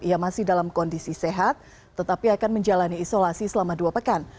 ia masih dalam kondisi sehat tetapi akan menjalani isolasi selama dua pekan